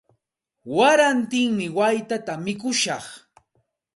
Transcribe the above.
Warantimi waytata mikushaq.